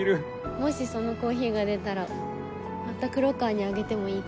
もしそのコーヒーが出たらまた黒川にあげてもいいけど。